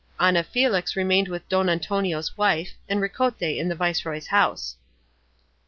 Ana Felix remained with Don Antonio's wife, and Ricote in the viceroy's house.